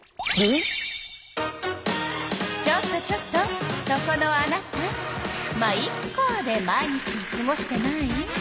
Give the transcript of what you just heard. ちょっとちょっとそこのあなた「ま、イッカ」で毎日をすごしてない？